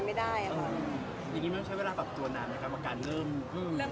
แล้วก็พยายามนอนเร็วขึ้นมา๕ทุ่ม